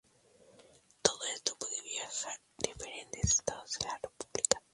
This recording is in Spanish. Todo esto puede viajar a diferentes estados de la República.